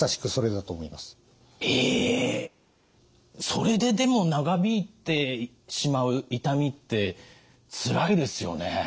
それででも長引いてしまう痛みってつらいですよね。